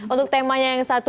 untuk temanya yang satu